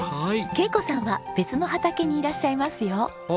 恵子さんは別の畑にいらっしゃいますよ。